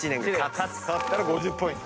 勝ったら５０ポイント。